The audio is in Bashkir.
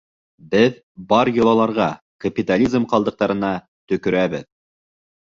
Беҙ бар йолаларға, капитализм ҡалдыҡтарына төкөрәбеҙ!